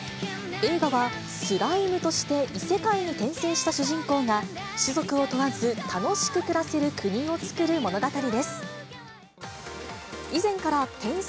映画は、スライムとして異世界に転生した主人公が種族を問わず、楽しく暮らせる国をつくる物語です。